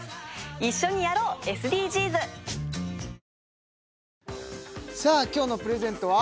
一緒にやろう、ＳＤＧｓさあ今日のプレゼントは？